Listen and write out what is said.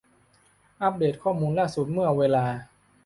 อัปเดตข้อมูลล่าสุดเมื่อเวลา